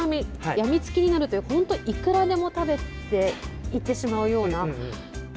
やみつきになるという本当、いくらでも食べていってしまうような。